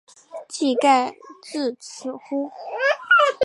技盖至此乎？